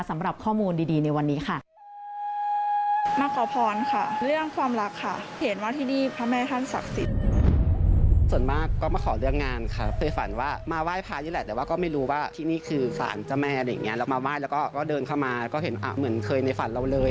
สำหรับข้อมูลดีในวันนี้ค่ะ